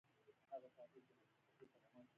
ستاسو امر منم